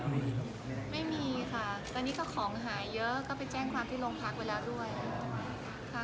ไม่มีไม่มีค่ะตอนนี้ก็ของหายเยอะก็ไปแจ้งความที่โรงพักไว้แล้วด้วยค่ะ